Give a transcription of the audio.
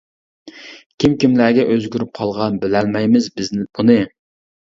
كىم كىملەرگە ئۆزگىرىپ قالغان، بىلەلمەيمىز بىز بۇنى.